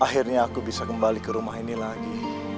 akhirnya aku bisa kembali ke rumah ini lagi